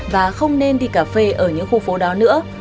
và không nên đi cà phê ở những khu phố đó nữa